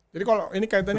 jadi kalau ini kaitannya